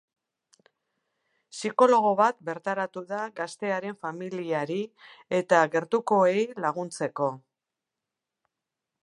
Psikologo bat bertaratu da gaztearen familiari eta gertukoei laguntzeko.